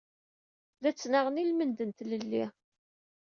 La ttnaɣen i lmend n tlelli.